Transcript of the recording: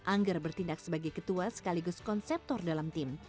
angger bertindak sebagai ketua sekaligus konseptor dalam tim